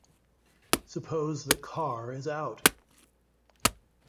Suppose that Carr is out.